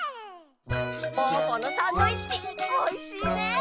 ぽぅぽのサンドイッチおいしいね。